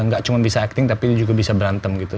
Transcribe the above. gak cuman bisa acting tapi juga bisa berantem gitu